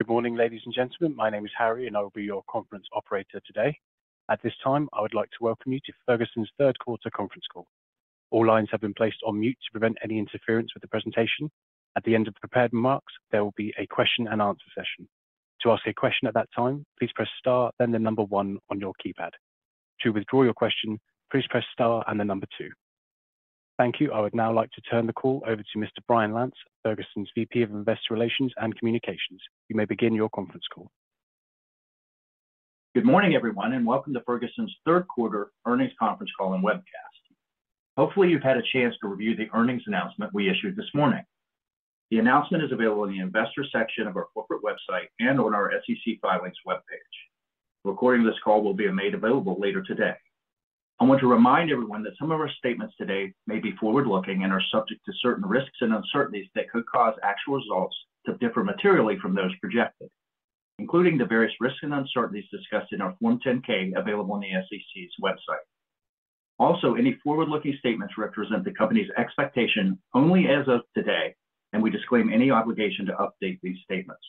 Good morning, ladies and gentlemen. My name is Harry, and I will be your conference operator today. At this time, I would like to welcome you to Ferguson's third quarter conference call. All lines have been placed on mute to prevent any interference with the presentation. At the end of the prepared remarks, there will be a question-and-answer session. To ask a question at that time, please press star, then the number one on your keypad. To withdraw your question, please press star and the number two. Thank you. I would now like to turn the call over to Mr. Brian Lantz, Ferguson's VP of Investor Relations and Communications. You may begin your conference call. Good morning, everyone, and welcome to Ferguson's third quarter earnings conference call and webcast. Hopefully, you've had a chance to review the earnings announcement we issued this morning. The announcement is available in the investor section of our corporate website and on our SEC filings webpage. A recording of this call will be made available later today. I want to remind everyone that some of our statements today may be forward-looking and are subject to certain risks and uncertainties that could cause actual results to differ materially from those projected, including the various risks and uncertainties discussed in our Form 10-K, available on the SEC's website. Also, any forward-looking statements represent the company's expectation only as of today, and we disclaim any obligation to update these statements.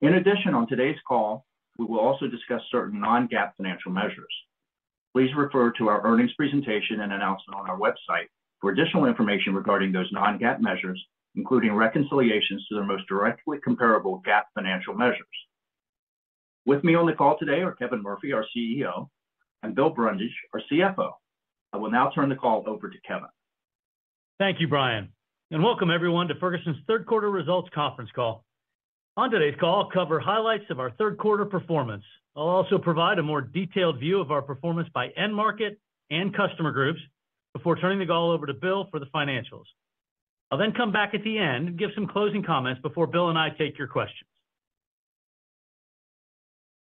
In addition, on today's call, we will also discuss certain non-GAAP financial measures. Please refer to our earnings presentation and announcement on our website for additional information regarding those non-GAAP measures, including reconciliations to their most directly comparable GAAP financial measures. With me on the call today are Kevin Murphy, our CEO, and Bill Brundage, our CFO. I will now turn the call over to Kevin. Thank you, Brian, and welcome everyone to Ferguson's third quarter results conference call. On today's call, I'll cover highlights of our third quarter performance. I'll also provide a more detailed view of our performance by end market and customer groups before turning the call over to Bill for the financials. I'll then come back at the end and give some closing comments before Bill and I take your questions.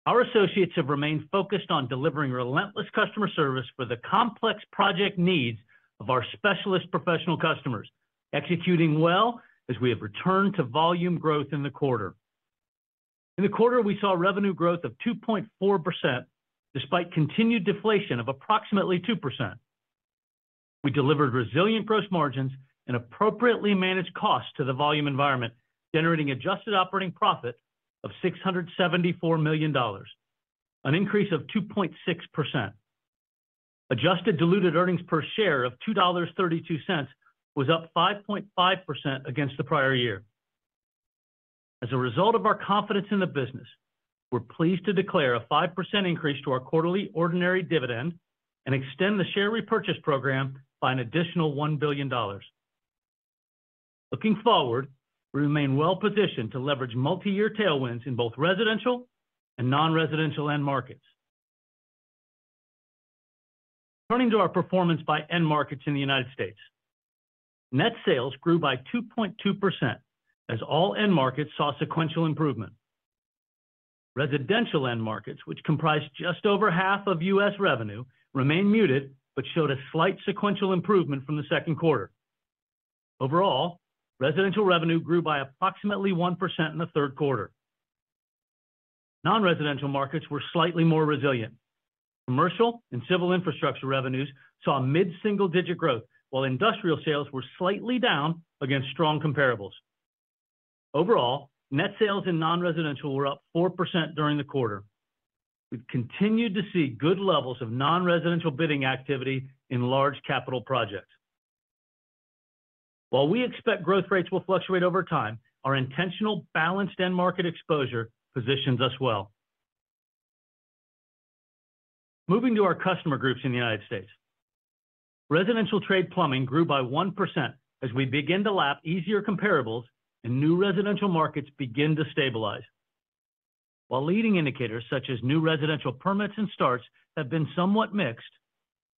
Our associates have remained focused on delivering relentless customer service for the complex project needs of our specialist professional customers, executing well as we have returned to volume growth in the quarter. In the quarter, we saw revenue growth of 2.4%, despite continued deflation of approximately 2%. We delivered resilient gross margins and appropriately managed costs to the volume environment, generating adjusted operating profit of $674 million, an increase of 2.6%. Adjusted diluted earnings per share of $2.32 was up 5.5% against the prior year. As a result of our confidence in the business, we're pleased to declare a 5% increase to our quarterly ordinary dividend and extend the share repurchase program by an additional $1 billion. Looking forward, we remain well positioned to leverage multi-year tailwinds in both residential and non-residential end markets. Turning to our performance by end markets in the United States. Net sales grew by 2.2%, as all end markets saw sequential improvement. Residential end markets, which comprise just over half of U.S. revenue, remained muted but showed a slight sequential improvement from the second quarter. Overall, residential revenue grew by approximately 1% in the third quarter. Non-residential markets were slightly more resilient. Commercial and civil infrastructure revenues saw a mid-single-digit growth, while industrial sales were slightly down against strong comparables. Overall, net sales in non-residential were up 4% during the quarter. We've continued to see good levels of non-residential bidding activity in large capital projects. While we expect growth rates will fluctuate over time, our intentional, balanced end market exposure positions us well. Moving to our customer groups in the United States. Residential trade plumbing grew by 1% as we begin to lap easier comparables and new residential markets begin to stabilize. While leading indicators, such as new residential permits and starts, have been somewhat mixed,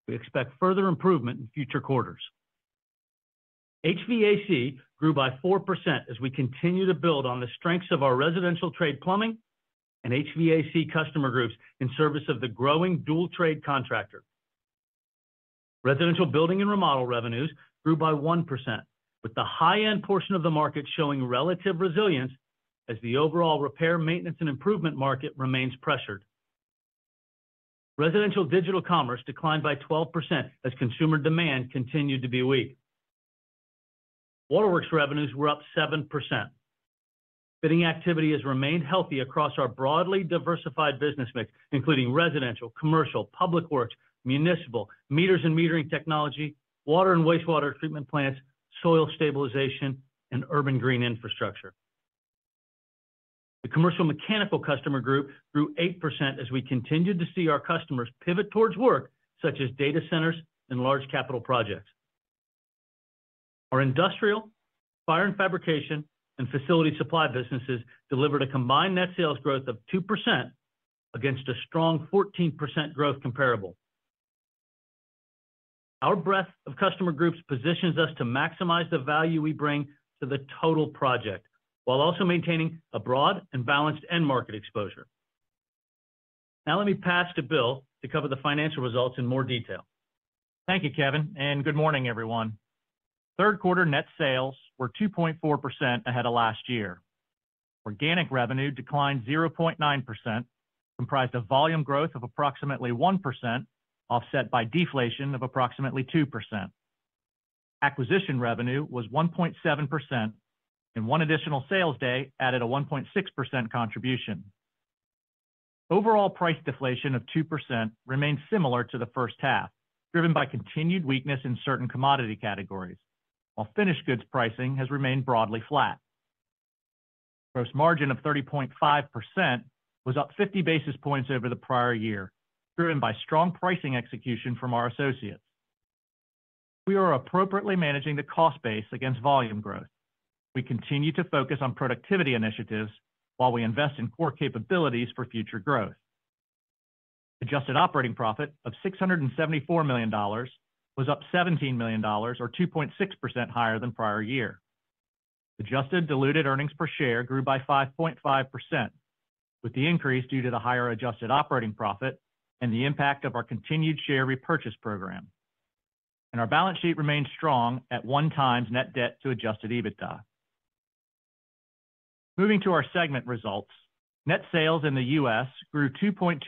we expect further improvement in future quarters. HVAC grew by 4% as we continue to build on the strengths of our residential trade plumbing and HVAC customer groups in service of the growing dual-trade contractor. Residential building and remodel revenues grew by 1%, with the high-end portion of the market showing relative resilience as the overall repair, maintenance, and improvement market remains pressured. Residential digital commerce declined by 12% as consumer demand continued to be weak. Waterworks revenues were up 7%. Bidding activity has remained healthy across our broadly diversified business mix, including residential, commercial, public works, municipal, meters and metering technology, water and wastewater treatment plants, soil stabilization, and urban green infrastructure. The commercial mechanical customer group grew 8% as we continued to see our customers pivot towards work, such as data centers and large capital projects. Our industrial, fire and fabrication, and facility supply businesses delivered a combined net sales growth of 2% against a strong 14% growth comparable. Our breadth of customer groups positions us to maximize the value we bring to the total project, while also maintaining a broad and balanced end market exposure. Now, let me pass to Bill to cover the financial results in more detail. Thank you, Kevin, and good morning, everyone. Third quarter net sales were 2.4% ahead of last year. Organic revenue declined 0.9%, comprised of volume growth of approximately 1%, offset by deflation of approximately 2%. ...Acquisition revenue was 1.7%, and one additional sales day added a 1.6% contribution. Overall price deflation of 2% remains similar to the first half, driven by continued weakness in certain commodity categories, while finished goods pricing has remained broadly flat. Gross margin of 30.5% was up 50 basis points over the prior year, driven by strong pricing execution from our associates. We are appropriately managing the cost base against volume growth. We continue to focus on productivity initiatives while we invest in core capabilities for future growth. Adjusted operating profit of $674 million was up $17 million, or 2.6% higher than prior year. Adjusted diluted earnings per share grew by 5.5%, with the increase due to the higher adjusted operating profit and the impact of our continued share repurchase program. Our balance sheet remains strong at 1x net debt to adjusted EBITDA. Moving to our segment results, net sales in the U.S. grew 2.2%,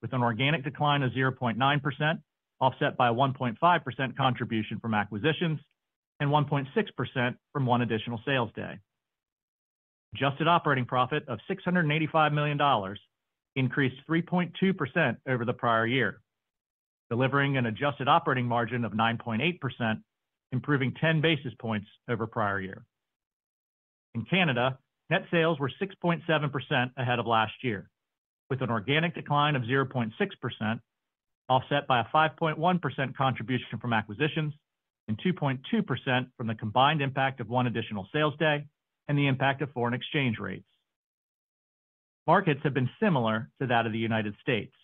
with an organic decline of 0.9%, offset by 1.5% contribution from acquisitions, and 1.6% from one additional sales day. Adjusted operating profit of $685 million increased 3.2% over the prior year, delivering an adjusted operating margin of 9.8%, improving 10 basis points over prior year. In Canada, net sales were 6.7% ahead of last year, with an organic decline of 0.6%, offset by a 5.1% contribution from acquisitions, and 2.2% from the combined impact of 1 additional sales day and the impact of foreign exchange rates. Markets have been similar to that of the United States.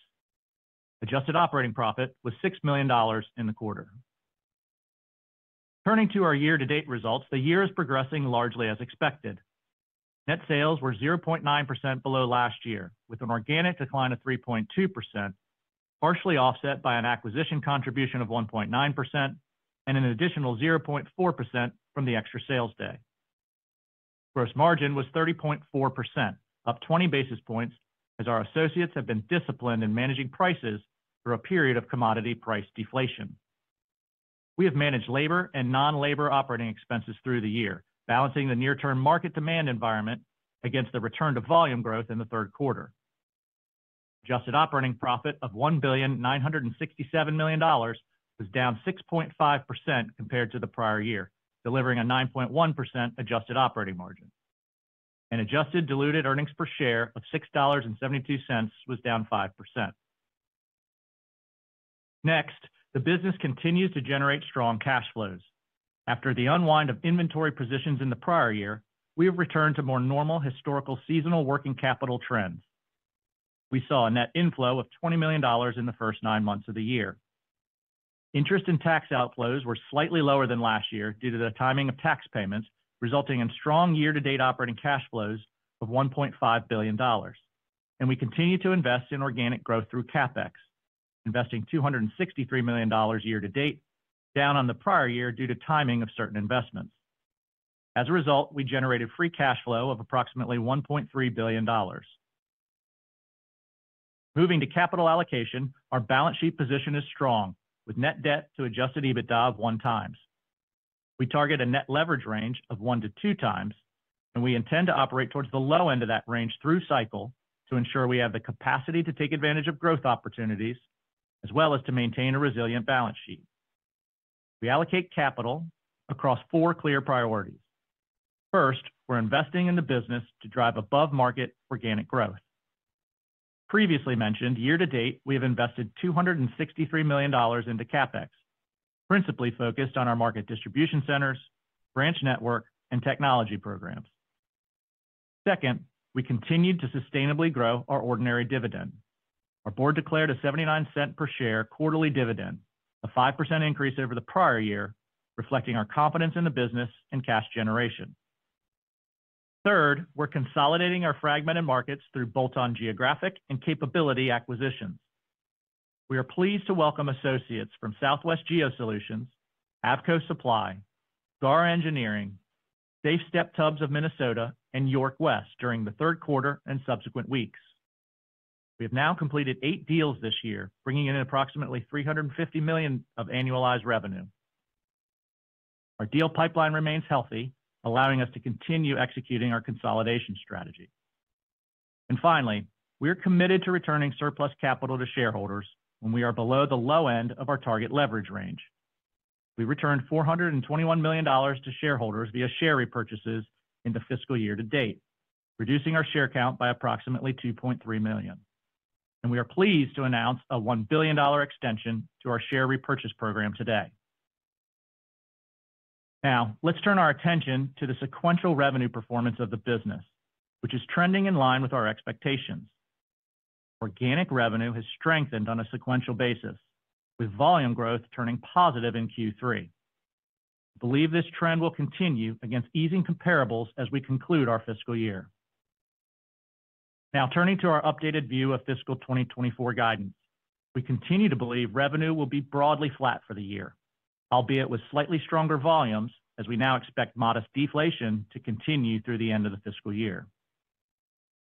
Adjusted operating profit was $6 million in the quarter. Turning to our year-to-date results, the year is progressing largely as expected. Net sales were 0.9% below last year, with an organic decline of 3.2%, partially offset by an acquisition contribution of 1.9% and an additional 0.4% from the extra sales day. Gross margin was 30.4%, up 20 basis points, as our associates have been disciplined in managing prices through a period of commodity price deflation. We have managed labor and non-labor operating expenses through the year, balancing the near-term market demand environment against the return to volume growth in the third quarter. Adjusted operating profit of $1.967 billion was down 6.5% compared to the prior year, delivering a 9.1% adjusted operating margin. Adjusted diluted earnings per share of $6.72 was down 5%. Next, the business continues to generate strong cash flows. After the unwind of inventory positions in the prior year, we have returned to more normal historical seasonal working capital trends. We saw a net inflow of $20 million in the first 9 months of the year. Interest and tax outflows were slightly lower than last year due to the timing of tax payments, resulting in strong year-to-date operating cash flows of $1.5 billion. We continue to invest in organic growth through CapEx, investing $263 million year-to-date, down on the prior year due to timing of certain investments. As a result, we generated free cash flow of approximately $1.3 billion. Moving to capital allocation, our balance sheet position is strong, with net debt to adjusted EBITDA of 1x. We target a net leverage range of 1x-2x, and we intend to operate towards the low end of that range through cycle to ensure we have the capacity to take advantage of growth opportunities, as well as to maintain a resilient balance sheet. We allocate capital across four clear priorities. First, we're investing in the business to drive above-market organic growth. Previously mentioned, year to date, we have invested $263 million into CapEx, principally focused on our market distribution centers, branch network, and technology programs. Second, we continue to sustainably grow our ordinary dividend. Our board declared a $0.79 per share quarterly dividend, a 5% increase over the prior year, reflecting our confidence in the business and cash generation. Third, we're consolidating our fragmented markets through bolt-on geographic and capability acquisitions. We are pleased to welcome associates from Southwest Geo-Solutions, Avco Supply, GAR Engineering, Safe Step Tubs of Minnesota, and Yorkwest during the third quarter and subsequent weeks. We have now completed 8 deals this year, bringing in approximately $350 million of annualized revenue. Our deal pipeline remains healthy, allowing us to continue executing our consolidation strategy. Finally, we are committed to returning surplus capital to shareholders when we are below the low end of our target leverage range. We returned $421 million to shareholders via share repurchases in the fiscal year to date, reducing our share count by approximately 2.3 million. We are pleased to announce a $1 billion extension to our share repurchase program today. Now, let's turn our attention to the sequential revenue performance of the business, which is trending in line with our expectations. Organic revenue has strengthened on a sequential basis, with volume growth turning positive in Q3. We believe this trend will continue against easing comparables as we conclude our fiscal year. Now, turning to our updated view of fiscal 2024 guidance. We continue to believe revenue will be broadly flat for the year, albeit with slightly stronger volumes, as we now expect modest deflation to continue through the end of the fiscal year.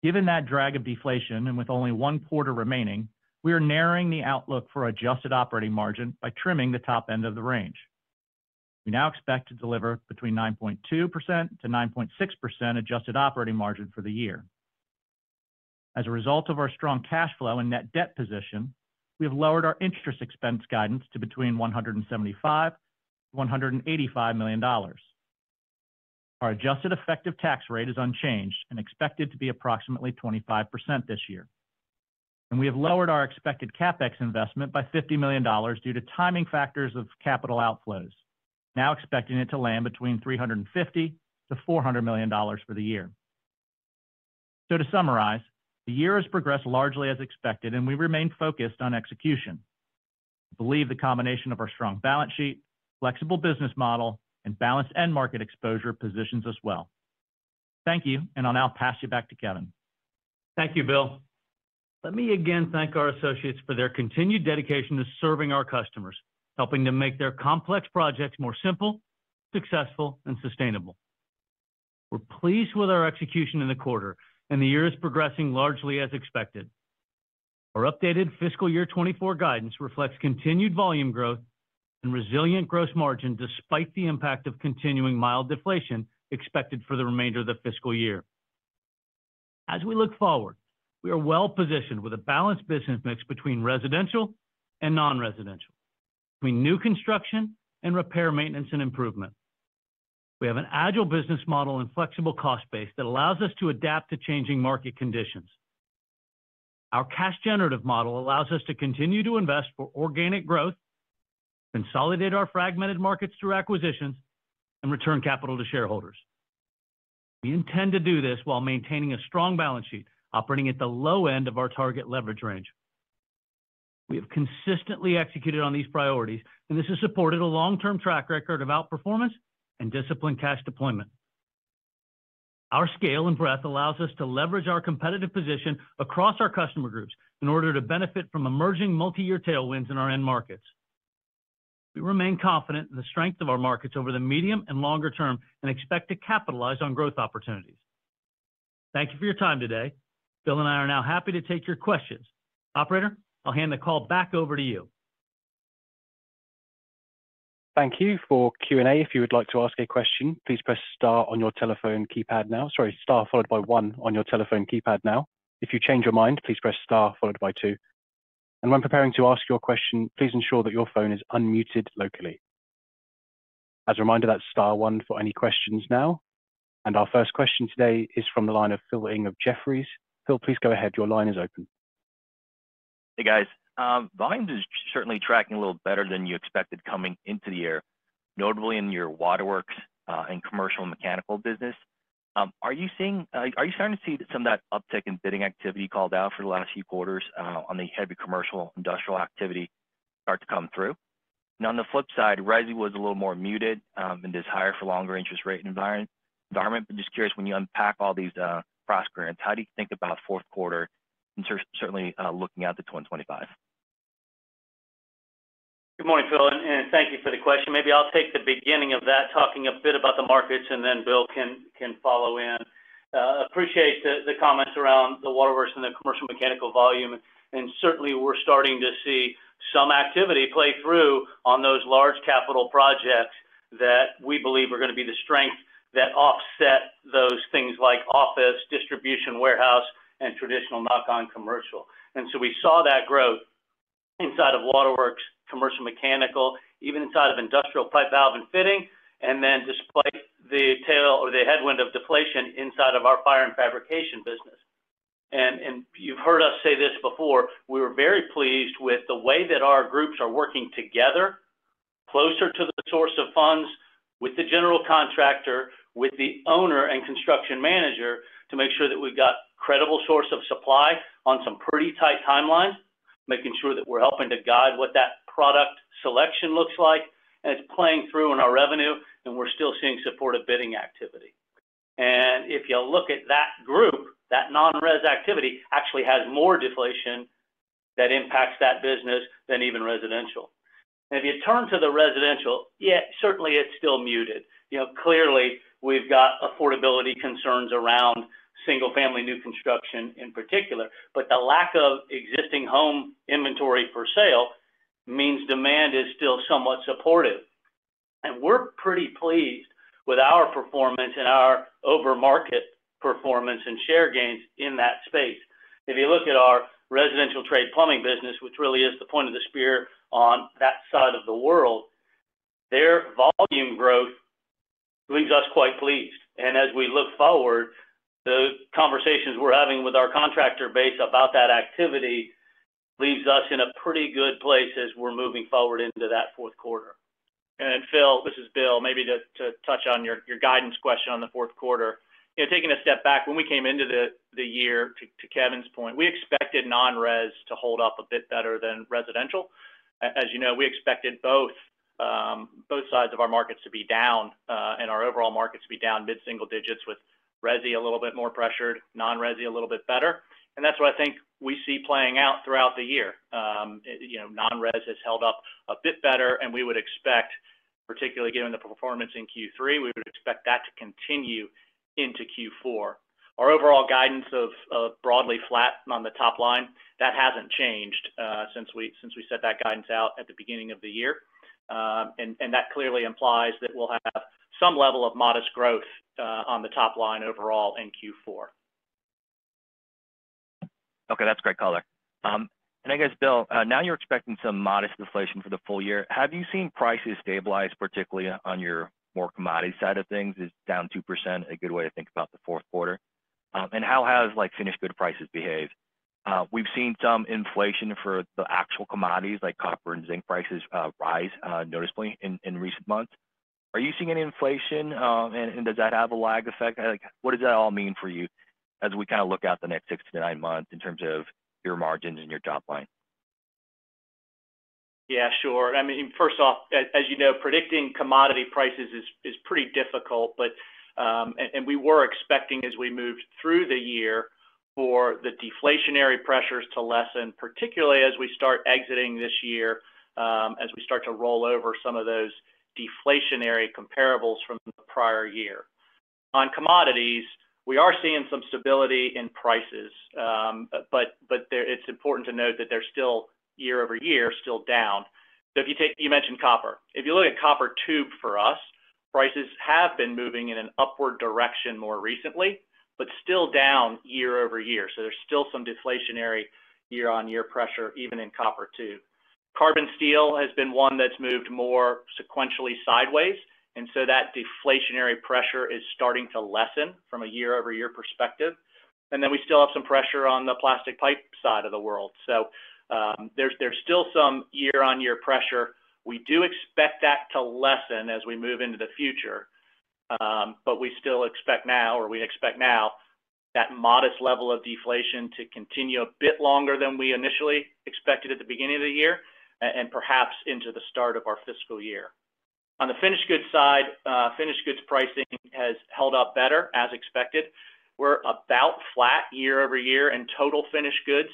Given that drag of deflation and with only one quarter remaining, we are narrowing the outlook for adjusted operating margin by trimming the top end of the range. We now expect to deliver between 9.2%-9.6% adjusted operating margin for the year. As a result of our strong cash flow and net debt position, we have lowered our interest expense guidance to between $175 million-$185 million. Our adjusted effective tax rate is unchanged and expected to be approximately 25% this year. We have lowered our expected CapEx investment by $50 million due to timing factors of capital outflows, now expecting it to land between $350 million-$400 million for the year. To summarize, the year has progressed largely as expected, and we remain focused on execution. I believe the combination of our strong balance sheet, flexible business model, and balanced end market exposure positions us well. Thank you, and I'll now pass you back to Kevin. Thank you, Bill. Let me again thank our associates for their continued dedication to serving our customers, helping them make their complex projects more simple, successful, and sustainable. We're pleased with our execution in the quarter, and the year is progressing largely as expected. Our updated fiscal year 2024 guidance reflects continued volume growth and resilient gross margin, despite the impact of continuing mild deflation expected for the remainder of the fiscal year. As we look forward, we are well-positioned with a balanced business mix between residential and non-residential, between new construction and repair, maintenance, and improvement. We have an agile business model and flexible cost base that allows us to adapt to changing market conditions. Our cash generative model allows us to continue to invest for organic growth, consolidate our fragmented markets through acquisitions, and return capital to shareholders. We intend to do this while maintaining a strong balance sheet, operating at the low end of our target leverage range. We have consistently executed on these priorities, and this has supported a long-term track record of outperformance and disciplined cash deployment. Our scale and breadth allows us to leverage our competitive position across our customer groups in order to benefit from emerging multi-year tailwinds in our end markets. We remain confident in the strength of our markets over the medium and longer term, and expect to capitalize on growth opportunities. Thank you for your time today. Bill and I are now happy to take your questions. Operator, I'll hand the call back over to you. Thank you. For Q&A, if you would like to ask a question, please press star on your telephone keypad now. Sorry, star followed by one on your telephone keypad now. If you change your mind, please press star followed by two. When preparing to ask your question, please ensure that your phone is unmuted locally. As a reminder, that's star one for any questions now. Our first question today is from the line of Phil Ng of Jefferies. Phil, please go ahead. Your line is open. Hey, guys. Volumes is certainly tracking a little better than you expected coming into the year, notably in your waterworks and commercial mechanical business. Are you starting to see some of that uptick in bidding activity called out for the last few quarters on the heavy commercial industrial activity start to come through? Now, on the flip side, resi was a little more muted in this higher for longer interest rate environment. But just curious, when you unpack all these prospects, how do you think about fourth quarter, and certainly looking out to 2025? Good morning, Phil, and thank you for the question. Maybe I'll take the beginning of that, talking a bit about the markets, and then Bill can follow in. Appreciate the comments around the waterworks and the commercial mechanical volume, and certainly, we're starting to see some activity play through on those large capital projects that we believe are going to be the strength that offset those things like office, distribution, warehouse, and traditional knock-on commercial. And so we saw that growth inside of waterworks, commercial, mechanical, even inside of industrial pipe, valve, and fitting, and then despite the tail or the headwind of deflation inside of our fire and fabrication business. You've heard us say this before, we were very pleased with the way that our groups are working together, closer to the source of funds, with the general contractor, with the owner and construction manager, to make sure that we've got credible source of supply on some pretty tight timelines, making sure that we're helping to guide what that product selection looks like. It's playing through in our revenue, and we're still seeing supportive bidding activity. If you look at that group, that non-res activity actually has more deflation that impacts that business than even residential. If you turn to the residential, yeah, certainly it's still muted. You know, clearly, we've got affordability concerns around single-family new construction in particular, but the lack of existing home inventory for sale means demand is still somewhat supportive. We're pretty pleased with our performance and our over-market performance and share gains in that space. If you look at our residential trade plumbing business, which really is the point of the spear on that side of the world, their volume growth leaves us quite pleased. As we look forward, the conversations we're having with our contractor base about that activity leaves us in a pretty good place as we're moving forward into that fourth quarter. And Phil, this is Bill, maybe to touch on your guidance question on the fourth quarter. You know, taking a step back, when we came into the year, to Kevin's point, we expected non-res to hold up a bit better than residential. As you know, we expected both sides of our markets to be down, and our overall markets to be down mid-single digits, with resi a little bit more pressured, non-resi a little bit better. And that's what I think we see playing out throughout the year. You know, non-res has held up a bit better, and we would expect, particularly given the performance in Q3, we would expect that to continue into Q4. Our overall guidance of broadly flat on the top line, that hasn't changed since we set that guidance out at the beginning of the year. That clearly implies that we'll have some level of modest growth on the top line overall in Q4. Okay, that's great color. And I guess, Bill, now you're expecting some modest inflation for the full year. Have you seen prices stabilize, particularly on your more commodity side of things? Is down 2% a good way to think about the fourth quarter? And how has, like, finished good prices behaved? We've seen some inflation for the actual commodities, like copper and zinc prices, rise noticeably in recent months. Are you seeing any inflation? And does that have a lag effect? Like, what does that all mean for you as we kinda look out the next six to nine months in terms of your margins and your top line? Yeah, sure. I mean, first off, as you know, predicting commodity prices is pretty difficult, but and we were expecting as we moved through the year for the deflationary pressures to lessen, particularly as we start exiting this year, as we start to roll over some of those deflationary comparables from the prior year. On commodities, we are seeing some stability in prices, but there—it's important to note that they're still year over year, still down. So if you take—You mentioned copper. If you look at copper tube for us, prices have been moving in an upward direction more recently, but still down year over year, so there's still some deflationary year-on-year pressure, even in copper tube. Carbon steel has been one that's moved more sequentially sideways, and so that deflationary pressure is starting to lessen from a year-over-year perspective. And then we still have some pressure on the plastic pipe side of the world. So, there's still some year-over-year pressure. We do expect that to lessen as we move into the future, but we still expect now, or we expect now, that modest level of deflation to continue a bit longer than we initially expected at the beginning of the year, and perhaps into the start of our fiscal year. On the finished goods side, finished goods pricing has held up better as expected. We're about flat year-over-year in total finished goods.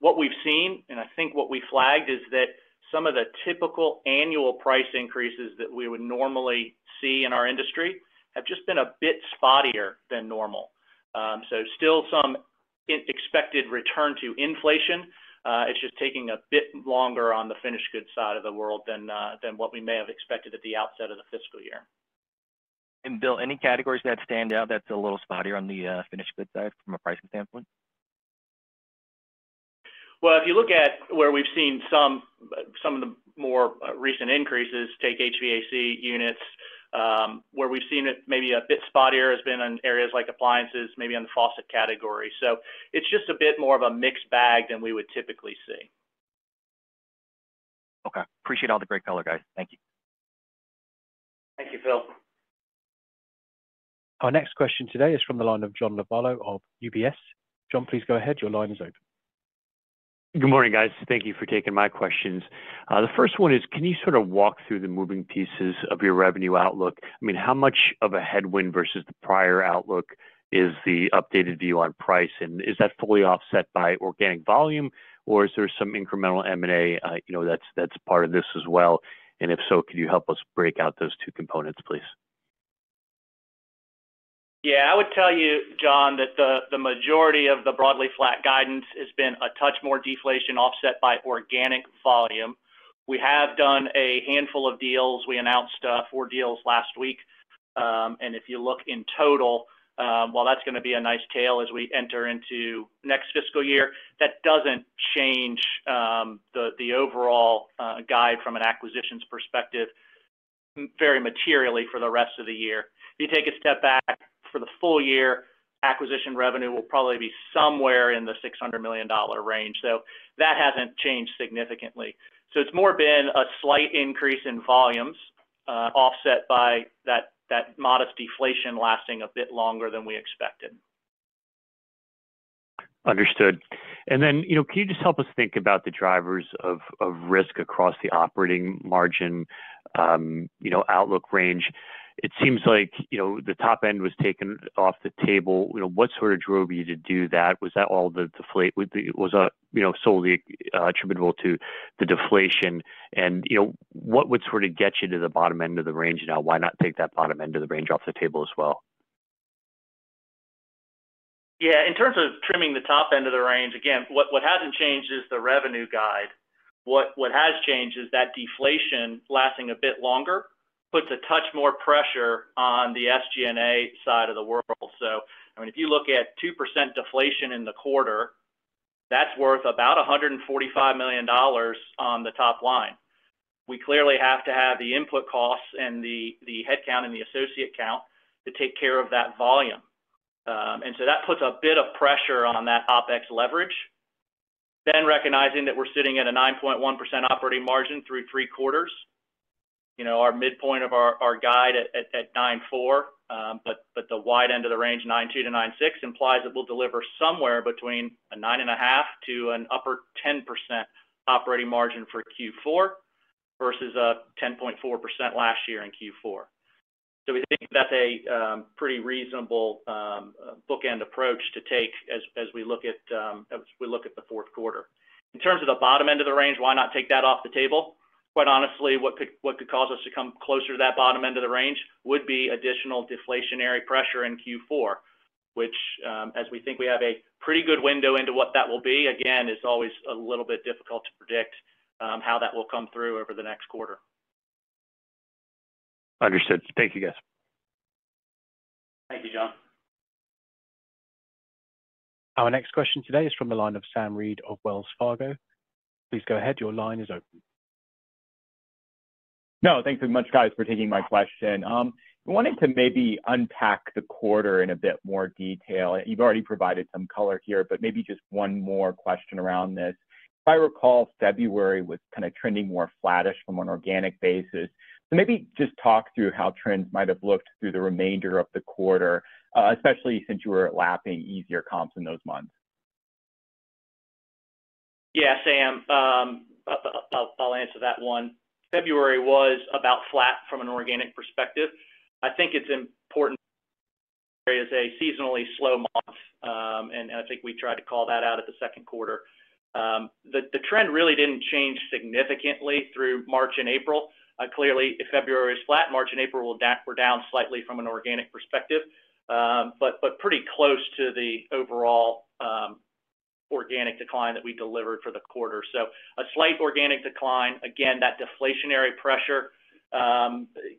What we've seen, and I think what we flagged, is that some of the typical annual price increases that we would normally see in our industry have just been a bit spottier than normal. So still some in expected return to inflation. It's just taking a bit longer on the finished goods side of the world than what we may have expected at the outset of the fiscal year. Bill, any categories that stand out that's a little spottier on the finished goods side from a pricing standpoint? Well, if you look at where we've seen some, some of the more, recent increases, take HVAC units, where we've seen it maybe a bit spottier, has been in areas like appliances, maybe on the faucet category. So it's just a bit more of a mixed bag than we would typically see. Okay. Appreciate all the great color, guys. Thank you. Thank you, Phil. Our next question today is from the line of John Lovallo of UBS. John, please go ahead. Your line is open. Good morning, guys. Thank you for taking my questions. The first one is, can you sort of walk through the moving pieces of your revenue outlook? I mean, how much of a headwind versus the prior outlook is the updated view on price? And is that fully offset by organic volume, or is there some incremental M&A, you know, that's part of this as well? And if so, could you help us break out those two components, please? Yeah, I would tell you, John, that the majority of the broadly flat guidance has been a touch more deflation offset by organic volume. We have done a handful of deals. We announced 4 deals last week. If you look in total, while that's gonna be a nice tail as we enter into next fiscal year, that doesn't change the overall guide from an acquisitions perspective very materially for the rest of the year. If you take a step back, for the full year, acquisition revenue will probably be somewhere in the $600 million range. So that hasn't changed significantly. So it's more been a slight increase in volumes offset by that modest deflation lasting a bit longer than we expected. Understood. Then, you know, can you just help us think about the drivers of risk across the operating margin, you know, outlook range? It seems like, you know, the top end was taken off the table. You know, what sort of drove you to do that? Was that all the deflation? You know, solely attributable to the deflation? And, you know, what would sort of get you to the bottom end of the range now? Why not take that bottom end of the range off the table as well? Yeah, in terms of trimming the top end of the range, again, what hasn't changed is the revenue guide. What has changed is that deflation lasting a bit longer puts a touch more pressure on the SG&A side of the world. So, I mean, if you look at 2% deflation in the quarter, that's worth about $145 million on the top line. We clearly have to have the input costs and the headcount and the associate count to take care of that volume. And so that puts a bit of pressure on that OpEx leverage. Then, recognizing that we're sitting at a 9.1% operating margin through three quarters, you know, our midpoint of our guide at 9.4, but the wide end of the range, 9.2%-9.6%, implies that we'll deliver somewhere between 9.5% to an upper 10% operating margin for Q4, versus a 10.4% last year in Q4. So we think that's a pretty reasonable bookend approach to take as we look at the fourth quarter. In terms of the bottom end of the range, why not take that off the table? Quite honestly, what could cause us to come closer to that bottom end of the range would be additional deflationary pressure in Q4, which, as we think we have a pretty good window into what that will be, again, it's always a little bit difficult to predict, how that will come through over the next quarter. Understood. Thank you, guys. Thank you, John. Our next question today is from the line of Sam Reed of Wells Fargo. Please go ahead. Your line is open. No, thank you so much, guys, for taking my question. I wanted to maybe unpack the quarter in a bit more detail. You've already provided some color here, but maybe just one more question around this. If I recall, February was kind of trending more flattish from an organic basis. So maybe just talk through how trends might have looked through the remainder of the quarter, especially since you were lapping easier comps in those months. Yeah, Sam, I'll answer that one. February was about flat from an organic perspective. I think it's important as a seasonally slow month, and I think we tried to call that out at the second quarter. The trend really didn't change significantly through March and April. Clearly, if February is flat, March and April were down slightly from an organic perspective, but pretty close to the overall organic decline that we delivered for the quarter. So a slight organic decline. Again, that deflationary pressure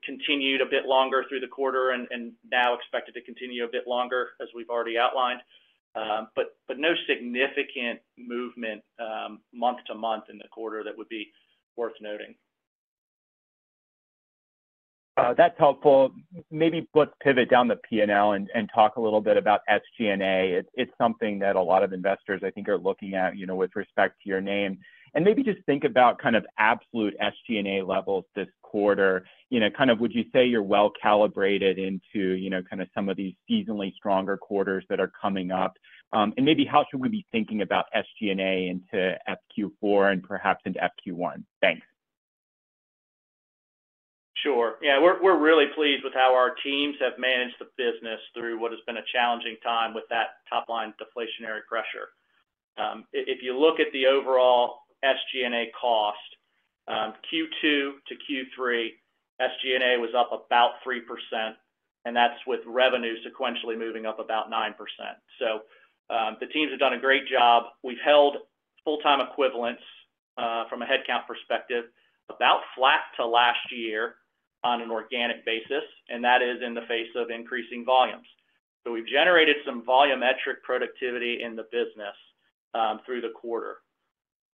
continued a bit longer through the quarter and now expected to continue a bit longer, as we've already outlined. But no significant movement month to month in the quarter that would be worth noting. That's helpful. Maybe let's pivot down the P&L and talk a little bit about SG&A. It's something that a lot of investors, I think, are looking at, you know, with respect to your name. And maybe just think about kind of absolute SG&A levels this quarter. You know, kind of, would you say you're well-calibrated into, you know, kind of some of these seasonally stronger quarters that are coming up? And maybe how should we be thinking about SG&A into FQ4 and perhaps into FQ1? Thanks. Sure. Yeah, we're really pleased with how our teams have managed the business through what has been a challenging time with that top-line deflationary pressure. If you look at the overall SG&A cost, Q2 to Q3, SG&A was up about 3%, and that's with revenue sequentially moving up about 9%. So, the teams have done a great job. We've held full-time equivalents, from a headcount perspective, about flat to last year on an organic basis, and that is in the face of increasing volumes. So we've generated some volumetric productivity in the business, through the quarter.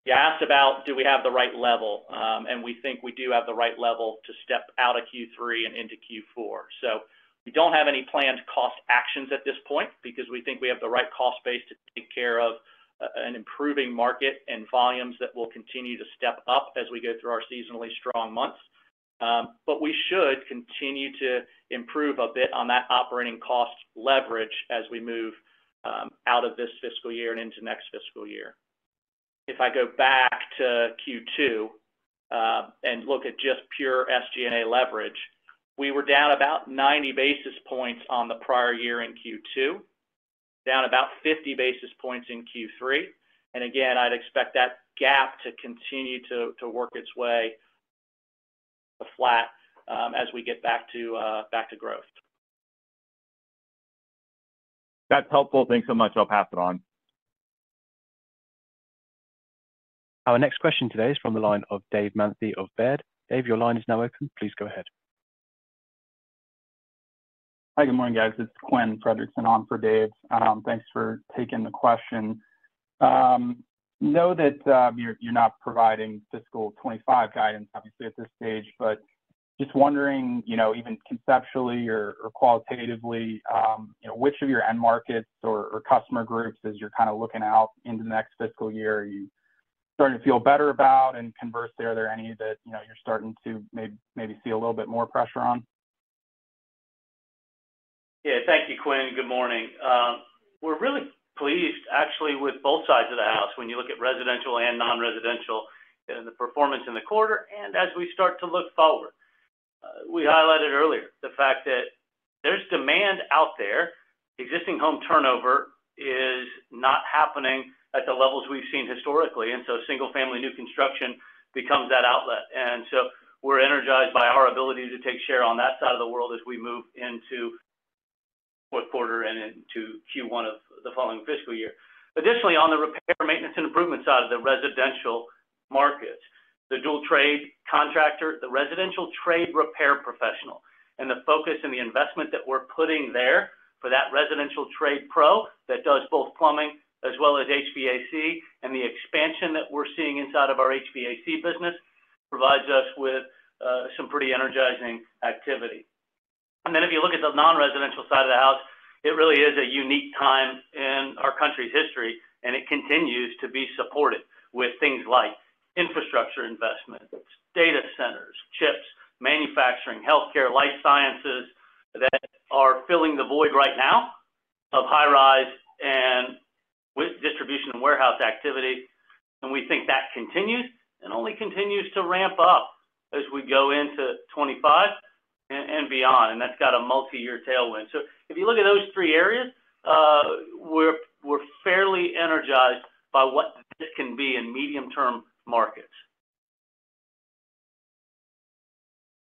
You asked about, do we have the right level? And we think we do have the right level to step out of Q3 and into Q4. So we don't have any planned cost actions at this point because we think we have the right cost base to take care of an improving market and volumes that will continue to step up as we go through our seasonally strong months. But we should continue to improve a bit on that operating cost leverage as we move out of this fiscal year and into next fiscal year. If I go back to Q2 and look at just pure SG&A leverage, we were down about 90 basis points on the prior year in Q2, down about 50 basis points in Q3. And again, I'd expect that gap to continue to work its way flat as we get back to growth. That's helpful. Thanks so much. I'll pass it on. Our next question today is from the line of Dave Manthey of Baird. Dave, your line is now open. Please go ahead. Hi, good morning, guys. It's Quinn Fredrickson on for Dave. Thanks for taking the question. I know that you're not providing fiscal 2025 guidance, obviously, at this stage, but just wondering, you know, even conceptually or qualitatively, you know, which of your end markets or customer groups, as you're kind of looking out into the next fiscal year, are you starting to feel better about? And conversely, are there any that, you know, you're starting to maybe see a little bit more pressure on? Yeah. Thank you, Quinn. Good morning. We're really pleased, actually, with both sides of the house when you look at residential and non-residential and the performance in the quarter and as we start to look forward. We highlighted earlier the fact that there's demand out there. Existing home turnover is not happening at the levels we've seen historically, and so single-family new construction becomes that outlet. And so we're energized by our ability to take share on that side of the world as we move into fourth quarter and into Q1 of the following fiscal year. Additionally, on the repair, maintenance, and improvement side of the residential market, the dual trade contractor, the residential trade repair professional, and the focus and the investment that we're putting there for that residential trade pro that does both plumbing as well as HVAC, and the expansion that we're seeing inside of our HVAC business provides us with some pretty energizing activity. And then, if you look at the non-residential side of the house, it really is a unique time in our country's history, and it continues to be supported with things like infrastructure investment, data centers, chips, manufacturing, healthcare, life sciences, that are filling the void right now of high-rise and- ...and we think that continues, and only continues to ramp up as we go into 2025 and beyond, and that's got a multi-year tailwind. So if you look at those three areas, we're fairly energized by what this can be in medium-term markets.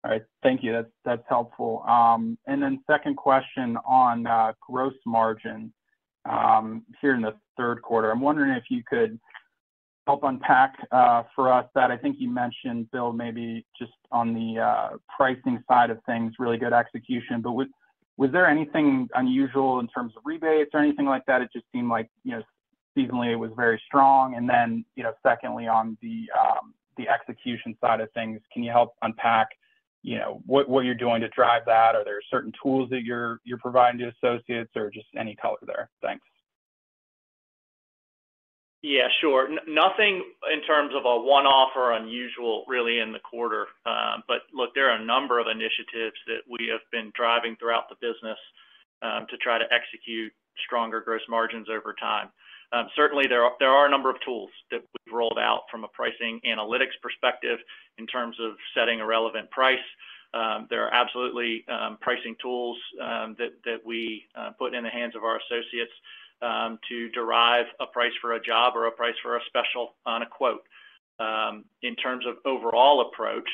All right. Thank you. That's, that's helpful. And then second question on, gross margin, here in the third quarter. I'm wondering if you could help unpack, for us, that I think you mentioned, Bill, maybe just on the, pricing side of things, really good execution. But was, was there anything unusual in terms of rebates or anything like that? It just seemed like, you know, seasonally, it was very strong. And then, you know, secondly, on the, the execution side of things, can you help unpack, you know, what, what you're doing to drive that? Are there certain tools that you're, you're providing to associates or just any color there? Thanks. Yeah, sure. Nothing in terms of a one-off or unusual really in the quarter. But look, there are a number of initiatives that we have been driving throughout the business, to try to execute stronger gross margins over time. Certainly, there are, there are a number of tools that we've rolled out from a pricing analytics perspective in terms of setting a relevant price. There are absolutely, pricing tools, that, that we, put in the hands of our associates, to derive a price for a job or a price for a special on a quote. In terms of overall approach,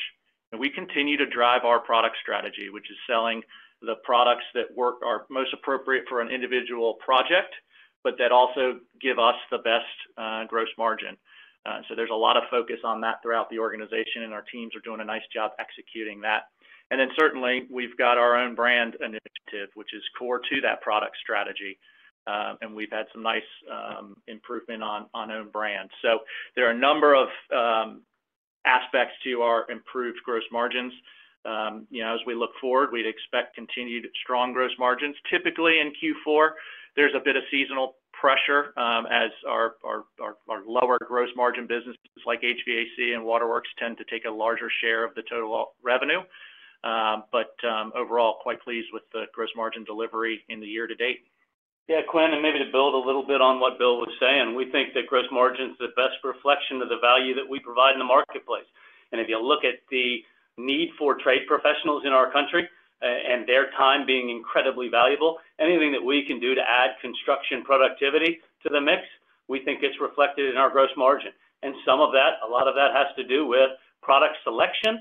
we continue to drive our product strategy, which is selling the products that work are most appropriate for an individual project, but that also give us the best, gross margin. So there's a lot of focus on that throughout the organization, and our teams are doing a nice job executing that. Then certainly, we've got our own brand initiative, which is core to that product strategy. We've had some nice improvement on own brand. There are a number of aspects to our improved gross margins. You know, as we look forward, we'd expect continued strong gross margins. Typically in Q4, there's a bit of seasonal pressure, as our lower gross margin businesses, like HVAC and waterworks, tend to take a larger share of the total revenue. Overall, quite pleased with the gross margin delivery in the year to date. Yeah, Quinn, and maybe to build a little bit on what Bill was saying, we think that gross margin is the best reflection of the value that we provide in the marketplace. And if you look at the need for trade professionals in our country, and their time being incredibly valuable, anything that we can do to add construction productivity to the mix, we think it's reflected in our gross margin. And some of that, a lot of that has to do with product selection,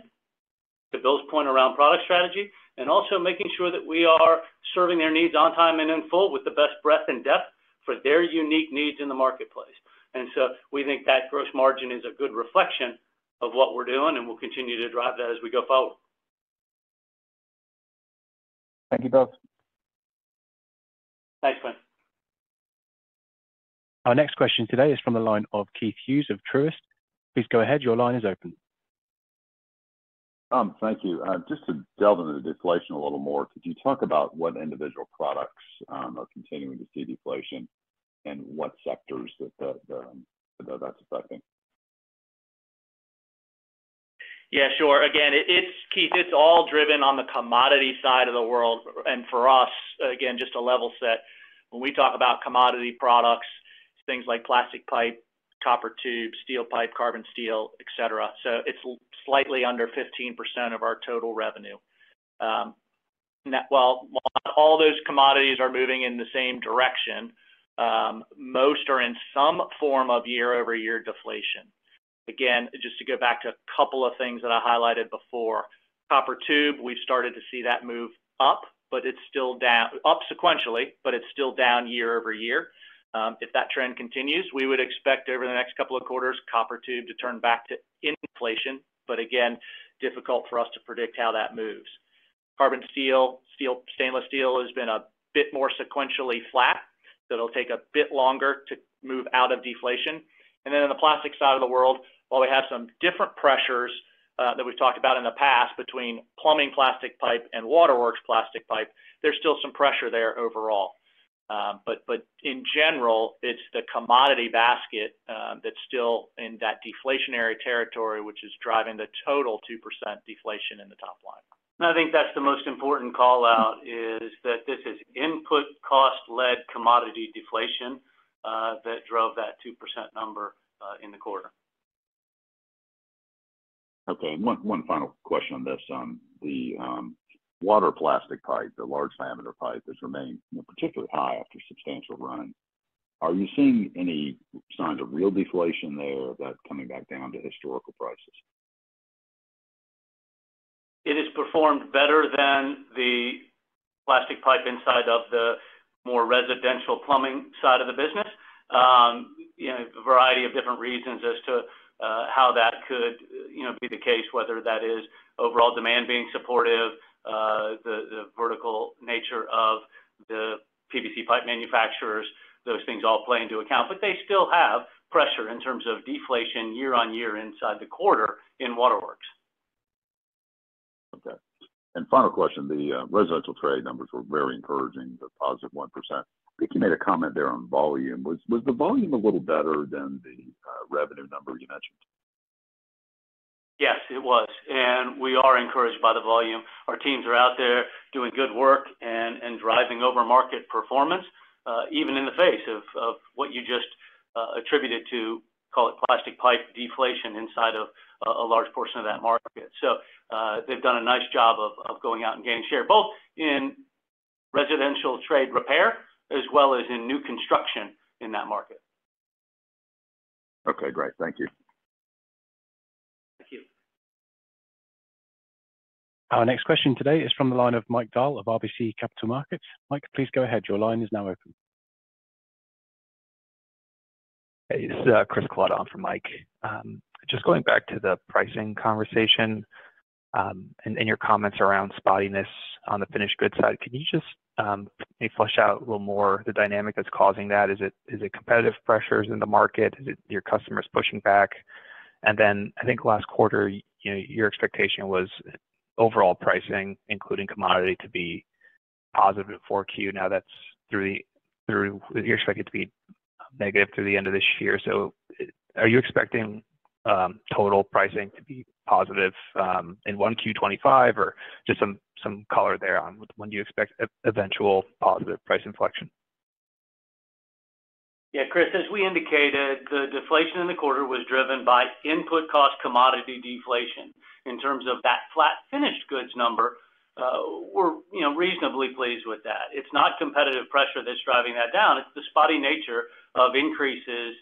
to Bill's point around product strategy, and also making sure that we are serving their needs on time and in full with the best breadth and depth for their unique needs in the marketplace. And so we think that gross margin is a good reflection of what we're doing, and we'll continue to drive that as we go forward. Thank you, Bill. Thanks, Quinn. Our next question today is from the line of Keith Hughes of Truist. Please go ahead. Your line is open. Thank you. Just to delve into the deflation a little more, could you talk about what individual products are continuing to see deflation and what sectors that that's affecting? Yeah, sure. Again, it's, Keith, it's all driven on the commodity side of the world. And for us, again, just to level set, when we talk about commodity products, things like plastic pipe, copper tube, steel pipe, carbon steel, et cetera, so it's slightly under 15% of our total revenue. Well, while all those commodities are moving in the same direction, most are in some form of year-over-year deflation. Again, just to go back to a couple of things that I highlighted before. Copper tube, we've started to see that move up, but it's still up sequentially, but it's still down year-over-year. If that trend continues, we would expect over the next couple of quarters, copper tube to turn back to inflation, but again, difficult for us to predict how that moves. Carbon steel, steel, stainless steel has been a bit more sequentially flat, so it'll take a bit longer to move out of deflation. And then in the plastic side of the world, while we have some different pressures that we've talked about in the past between plumbing plastic pipe and waterworks plastic pipe, there's still some pressure there overall. But in general, it's the commodity basket that's still in that deflationary territory, which is driving the total 2% deflation in the top line. I think that's the most important call-out, is that this is input cost-led commodity deflation that drove that 2% number in the quarter. Okay, and one final question on this. The water plastic pipe, the large diameter pipe, has remained, you know, particularly high after substantial run. Are you seeing any signs of real deflation there, that coming back down to historical prices? It has performed better than the plastic pipe inside of the more residential plumbing side of the business. You know, a variety of different reasons as to how that could, you know, be the case, whether that is overall demand being supportive, the vertical nature of the PVC pipe manufacturers, those things all play into account. But they still have pressure in terms of deflation year-over-year inside the quarter in waterworks. Okay. And final question, the residential trade numbers were very encouraging, the positive 1%. I think you made a comment there on volume. Was the volume a little better than the revenue number you mentioned? ... Yes, it was, and we are encouraged by the volume. Our teams are out there doing good work and driving over market performance, even in the face of what you just attributed to, call it, plastic pipe deflation inside of a large portion of that market. So, they've done a nice job of going out and gaining share, both in residential trade repair as well as in new construction in that market. Okay, great. Thank you. Thank you. Our next question today is from the line of Mike Dahl of RBC Capital Markets. Mike, please go ahead. Your line is now open. Hey, this is Chris Kalata on for Mike. Just going back to the pricing conversation and your comments around spottiness on the finished goods side, can you just maybe flesh out a little more the dynamic that's causing that? Is it competitive pressures in the market? Is it your customers pushing back? And then I think last quarter, you know, your expectation was overall pricing, including commodity, to be positive at 4Q. Now, that's through-- you expect it to be negative through the end of this year. So are you expecting total pricing to be positive in 1Q25, or just some color there on when you expect eventual positive price inflection? Yeah, Chris, as we indicated, the deflation in the quarter was driven by input cost commodity deflation. In terms of that flat finished goods number, we're, you know, reasonably pleased with that. It's not competitive pressure that's driving that down, it's the spotty nature of increases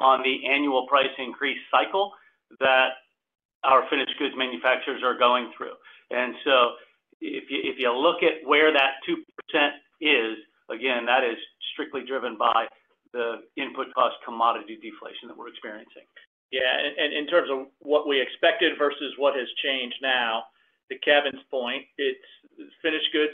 on the annual price increase cycle that our finished goods manufacturers are going through. And so if you look at where that 2% is, again, that is strictly driven by the input cost commodity deflation that we're experiencing. Yeah, and in terms of what we expected versus what has changed now, to Kevin's point, it's finished goods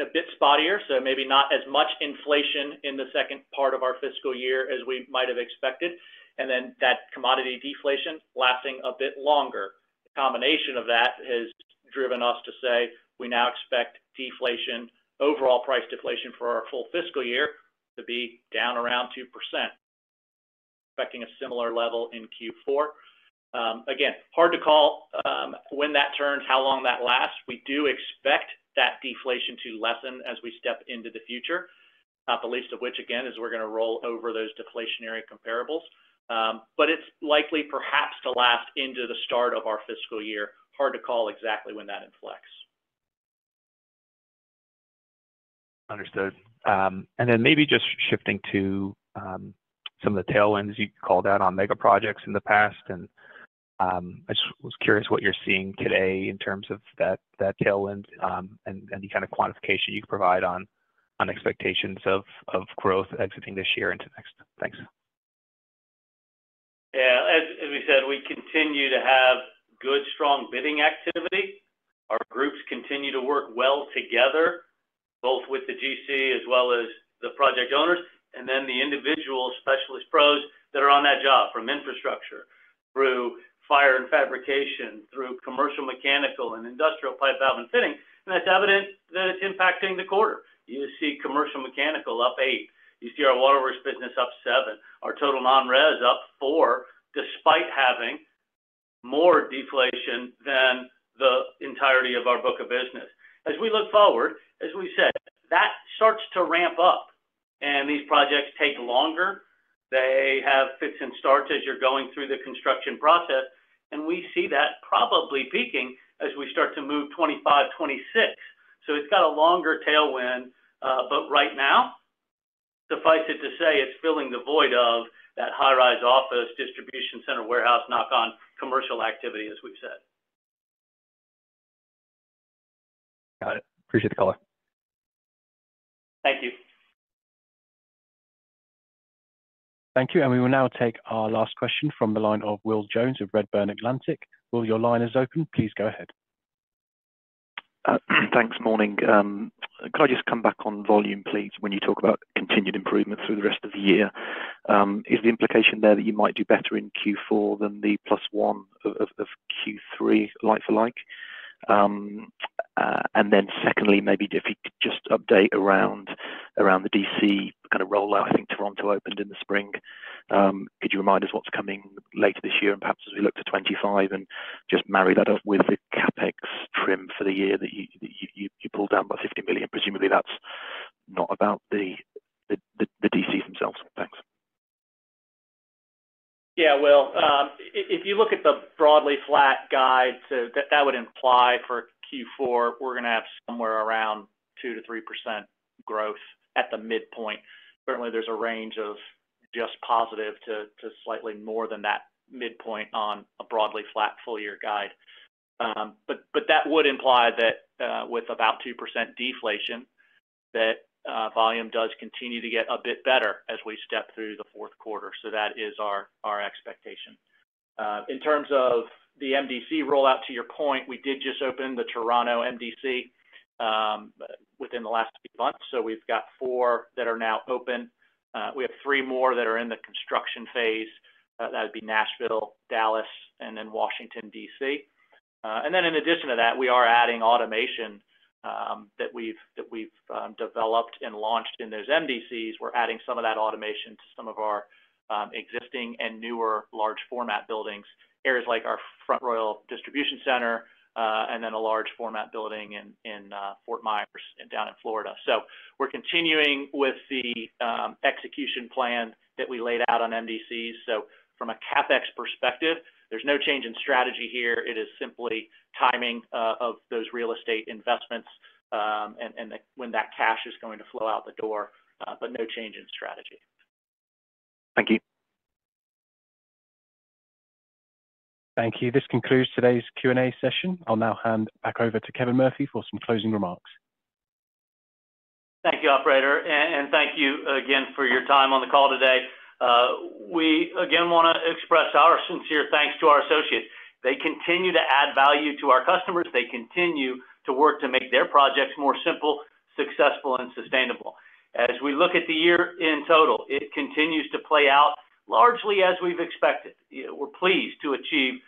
a bit spottier, so maybe not as much inflation in the second part of our fiscal year as we might have expected, and then that commodity deflation lasting a bit longer. The combination of that has driven us to say we now expect deflation, overall price deflation for our full fiscal year to be down around 2%. Expecting a similar level in Q4. Again, hard to call when that turns, how long that lasts. We do expect that deflation to lessen as we step into the future, not the least of which, again, is we're gonna roll over those deflationary comparables. But it's likely perhaps to last into the start of our fiscal year. Hard to call exactly when that inflects. Understood. And then maybe just shifting to some of the tailwinds you called out on mega projects in the past, and I just was curious what you're seeing today in terms of that tailwind, and any kind of quantification you can provide on expectations of growth exiting this year into next. Thanks. Yeah, as, as we said, we continue to have good, strong bidding activity. Our groups continue to work well together, both with the GC as well as the project owners, and then the individual specialist pros that are on that job, from infrastructure through fire and fabrication, through commercial, mechanical and industrial pipe valve and fitting. And that's evident that it's impacting the quarter. You see commercial mechanical up 8. You see our waterworks business up 7. Our total non-res up 4, despite having more deflation than the entirety of our book of business. As we look forward, as we said, that starts to ramp up, and these projects take longer. They have fits and starts as you're going through the construction process, and we see that probably peaking as we start to move 2025, 2026. So it's got a longer tailwind, but right now, suffice it to say, it's filling the void of that high-rise office, distribution center, warehouse, knock-on commercial activity, as we've said. Got it. Appreciate the call. Thank you. Thank you. We will now take our last question from the line of Will Jones of Redburn Atlantic. Will, your line is open. Please go ahead. Thanks. Morning. Could I just come back on volume, please, when you talk about continued improvement through the rest of the year? Is the implication there that you might do better in Q4 than the +1 of Q3 like for like? And then secondly, maybe if you could just update around the DC kind of rollout. I think Toronto opened in the spring. Could you remind us what's coming later this year, and perhaps as we look to 2025 and just marry that up with the CapEx trim for the year that you pulled down by $50 million? Presumably, that's not about the DCs themselves. Thanks. Yeah, Will. If you look at the broadly flat guide, so that would imply for Q4, we're gonna have somewhere around 2%-3% growth at the midpoint. Certainly, there's a range of just positive to slightly more than that midpoint on a broadly flat full year guide. But that would imply that, with about 2% deflation, that volume does continue to get a bit better as we step through the fourth quarter. So that is our expectation. In terms of the MDC rollout, to your point, we did just open the Toronto MDC within the last few months, so we've got four that are now open. We have three more that are in the construction phase. That would be Nashville, Dallas, and then Washington, D.C. And then in addition to that, we are adding automation that we've developed and launched in those MDCs. We're adding some of that automation to some of our existing and newer large format buildings, areas like our Front Royal Distribution Center, and then a large format building in Fort Myers, down in Florida. So we're continuing with the execution plan that we laid out on MDCs. So from a CapEx perspective, there's no change in strategy here. It is simply timing of those real estate investments, and when that cash is going to flow out the door, but no change in strategy. Thank you. Thank you. This concludes today's Q&A session. I'll now hand back over to Kevin Murphy for some closing remarks. Thank you, operator, and thank you again for your time on the call today. We again wanna express our sincere thanks to our associates. They continue to add value to our customers. They continue to work to make their projects more simple, successful, and sustainable. As we look at the year in total, it continues to play out largely as we've expected. We're pleased to achieve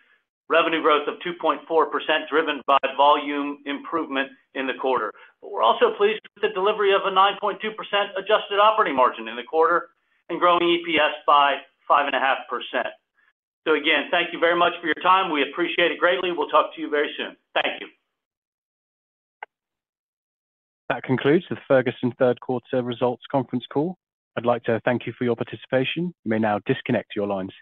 revenue growth of 2.4%, driven by volume improvement in the quarter. But we're also pleased with the delivery of a 9.2% adjusted operating margin in the quarter and growing EPS by 5.5%. So again, thank you very much for your time. We appreciate it greatly. We'll talk to you very soon. Thank you. That concludes the Ferguson third quarter results conference call. I'd like to thank you for your participation. You may now disconnect your lines.